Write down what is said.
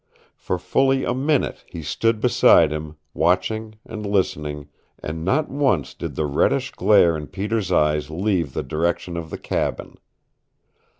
For fully a minute he stood beside him, watching and listening, and not once did the reddish glare in Peter's eyes leave the direction of the cabin.